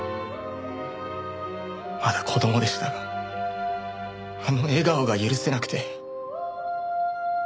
まだ子供でしたがあの笑顔が許せなくて。